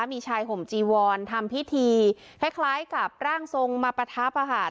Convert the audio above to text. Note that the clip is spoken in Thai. มีชายห่มจีวร์นทำพิธีคล้ายคล้ายกับร่างทรงมาประทาประหาด